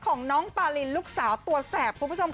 ของน้องปาลิ่นลูกสาวตัวแสบ